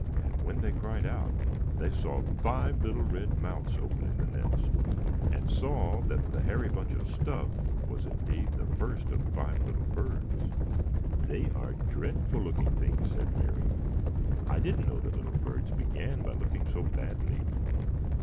And when they cried out, they saw five wide little red mouths open in the nest, and saw that the hairy bunch of stuff was indeed the first of five little birds. "They are dreadful looking things," said Mary; "I didn't know that little birds began by looking so badly."